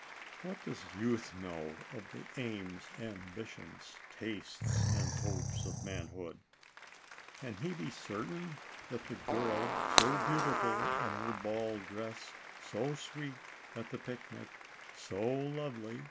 What does youth know of the aims, ambitions, tastes and hopes of manhood ? Can he be certain that the girl, so beautiful in her ball dress, so sweet at the picnic, so lovely f ALICE ; OR, THE WAGES OF SIN.